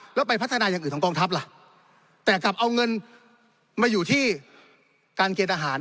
แล้วไปพัฒนาอย่างอื่นของกองทัพล่ะแต่กลับเอาเงินมาอยู่ที่การเกณฑ์อาหาร